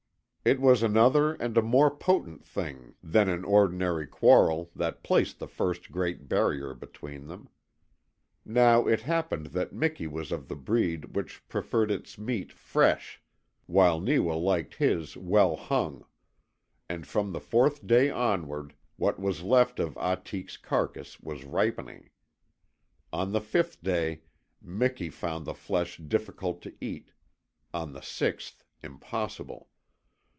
It was another and a more potent thing than an ordinary quarrel that placed the first great barrier between them. Now it happened that Miki was of the breed which preferred its meat fresh, while Neewa liked his "well hung." And from the fourth day onward, what was left of Ahtik's carcass was ripening. On the fifth day Miki found the flesh difficult to eat; on the sixth, impossible.